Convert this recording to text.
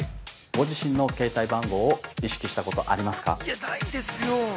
ご自身の携帯番号を意識したことありますか？